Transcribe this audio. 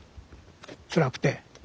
つらくて。